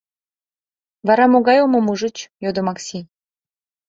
— Вара могай омым ужыч? — йодо Макси.